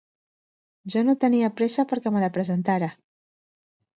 Jo no tenia pressa perquè me la presentara.